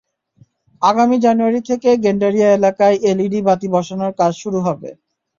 আগামী জানুয়ারি থেকে গেন্ডারিয়া এলাকায় এলইডি বাতি বসানোর কাজ শুরু হবে।